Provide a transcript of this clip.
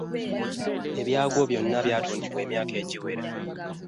Ebyagwo byonna byatundibwa emyaka egiwera